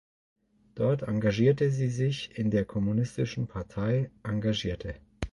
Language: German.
Dort engagierte sie sich in der kommunistischen Partei engagierte.